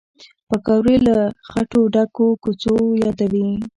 پکورې له خټو ډکو کوڅو یادوي